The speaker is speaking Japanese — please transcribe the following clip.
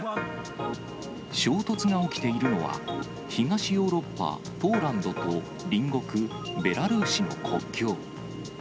衝突が起きているのは、東ヨーロッパ、ポーランドと、隣国ベラルーシの国境。